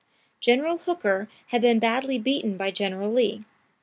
General Hooker had been badly beaten by General Lee.